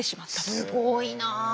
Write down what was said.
すごいな。